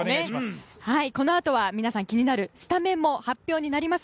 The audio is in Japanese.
このあと皆さんが気になるスタメンも発表になります。